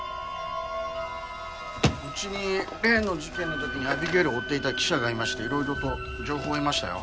うちに例の事件の時にアビゲイルを追っていた記者がいましていろいろと情報を得ましたよ。